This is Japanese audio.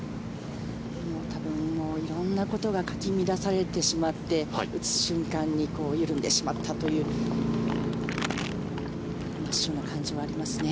多分、色んなことがかき乱されてしまって打つ瞬間に緩んでしまったという感じもありますね。